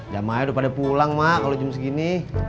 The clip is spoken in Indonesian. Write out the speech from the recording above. jam ayo udah pada pulang mak kalau jam segini